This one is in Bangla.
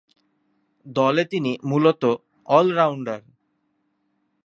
দলে তিনি মূলতঃ অল-রাউন্ডার।